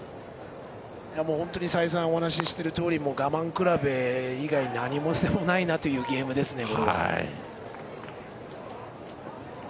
本当に再三お話しているとおり我慢比べ以外何ものでもないなというゲームですね。